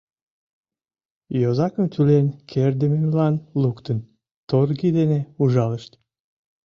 Йозакым тӱлен кертдымемлан луктын, торги дене ужалышт.